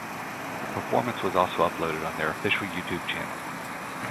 The performance was also uploaded on their official YouTube channel.